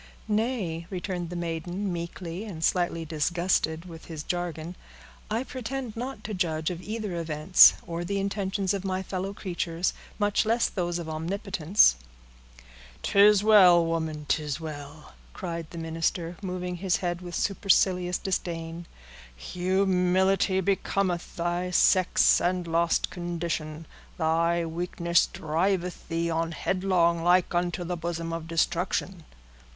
"Nay," returned the maiden, meekly, and slightly disgusted with his jargon, "I pretend not to judge of either events, or the intentions of my fellow creatures, much less of those of Omnipotence." "'Tis well, woman,—'tis well," cried the minister, moving his head with supercilious disdain; "humility becometh thy sex and lost condition; thy weakness driveth thee on headlong like 'unto the bosom of destruction.